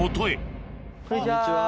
あっこんにちは。